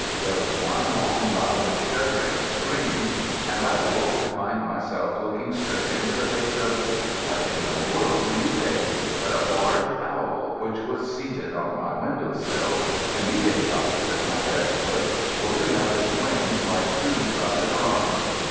There was one long, loud, shuddering scream, and I awoke to find myself looking straight into the face of what in all the world do you think? but a large owl, which was seated on my window sill immediately opposite my bed foot, holding up its wings like two shrouded arms.